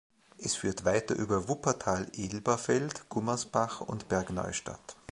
Es führt weiter über Wuppertal-Elberfeld, Gummersbach und Bergneustadt.